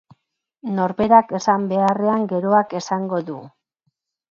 Norberak esan beharrean geroak esango du.